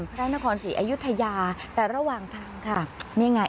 พระนครศรีอยุธยาแต่ระหว่างทางค่ะนี่ไง